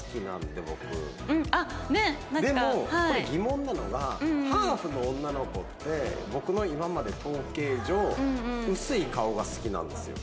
でもこれ疑問なのがハーフの女の子って僕の今まで統計上薄い顔が好きなんですよ。